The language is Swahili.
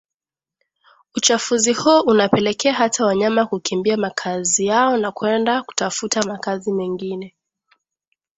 Uchafuzi huo unapelekea hata wanyama kukimbia makazi yao na kwenda kutafuta makazi mengine